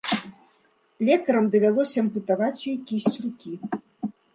Лекарам давялося ампутаваць ёй кісць рукі.